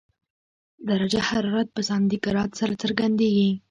درجه حرارت په سانتي ګراد سره څرګندېږي.